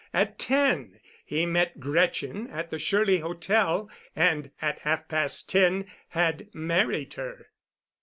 At ten he met Gretchen at the Shirley Hotel, and, at half past ten, had married her.